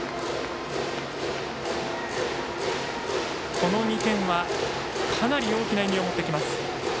この２点はかなり大きな意味を持ってきます。